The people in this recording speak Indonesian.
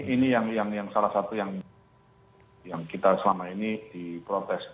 ini yang salah satu yang kita selama ini diprotes